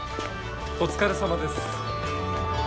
お疲れさまです。